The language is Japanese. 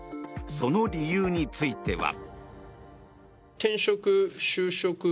その理由については。